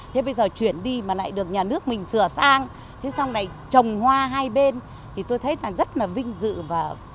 thế bây giờ chuyển đi mà lại được nhà nước mình sửa sang thế xong này trồng hoa hai bên thì tôi thấy là rất là vinh dự và rất là vinh dự